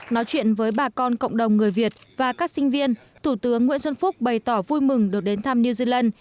nói chuyện với bà con cộng đồng người việt và các sinh viên thủ tướng nguyễn xuân phúc bày tỏ vui mừng được đến thăm new zealand